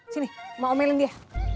sini mau omelin dia